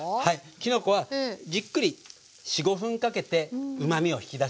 きのこはじっくり４５分かけてうまみを引き出しております。